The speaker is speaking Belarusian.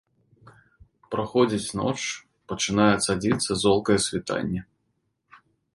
Праходзіць ноч, пачынае цадзіцца золкае світанне.